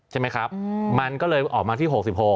ใช่ไหมครับมันก็เลยออกมาที่๖๖